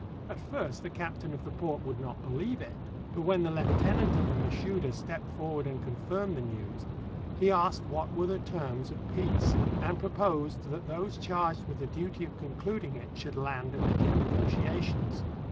At first the captain of the port would not beheve it. But when the heutenant of the Mashouda stepped forward and confirmed the news, he asked what were the terms of peace, and proposed that those charged with the duty of concluding it should land and begin negotiations.